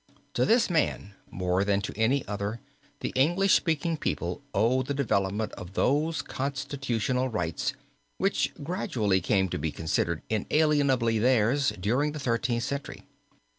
To this man more than to any other the English speaking people owe the development of those constitutional rights, which gradually came to be considered inalienably theirs during the Thirteenth Century.